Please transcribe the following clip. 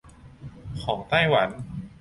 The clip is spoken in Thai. ของไต้หวัน